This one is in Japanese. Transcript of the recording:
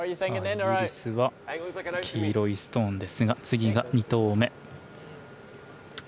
イギリスは黄色いストーンですが次が２投目。